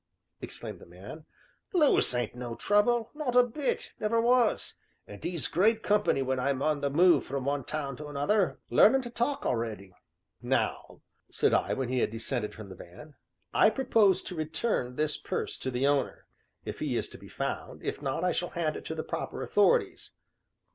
exclaimed the man. "Lewis ain't no trouble not a bit never was, and he's great company when I'm on the move from one town to another larning to talk a'ready." "Now," said I, when we had descended from the van, "I propose to return this purse to the owner, if he is to be found; if not, I shall hand it to the proper authorities."